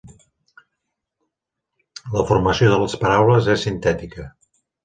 La formació de les paraules és sintètica.